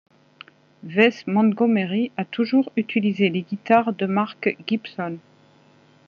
Wes Montgomery a toujours utilisé les guitares de marque Gibson.